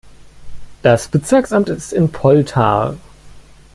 Das Bezirksamt ist in Poltár.